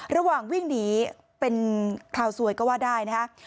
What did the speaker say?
ระหว่างวิ่งหนีเป็นคราวสวยก็ว่าได้นะฮะ